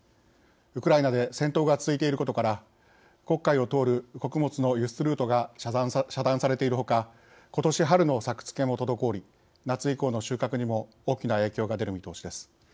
ウクライナで戦闘が続いていることから黒海を通る穀物の輸出ルートが遮断されているほかことし春の作付けも滞り夏以降の収穫にも大きな影響が出る見通しです。